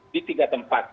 di tiga tempat